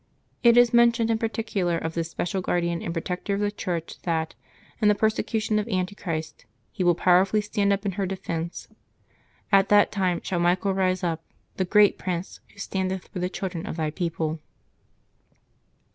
It is mentioned in particular of this special guardian and protector of the Church that, in the perse cution of Antichrist, he will powerfully stand up in her defence :^' At that time shaU Michael rise up, the great prince, who standeth for the children of thy people."